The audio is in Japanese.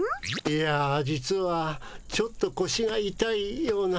いや実はちょっとこしがいたいような